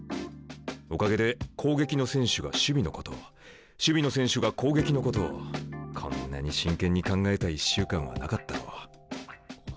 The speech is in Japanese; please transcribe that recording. おかげで攻撃の選手が守備のことを守備の選手が攻撃のことをこんなに真剣に考えた１週間はなかったろう。